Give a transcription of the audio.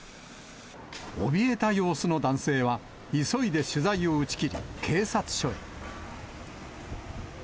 おびえた様子の男性は、急いで取材を打ち切り、警察署へ。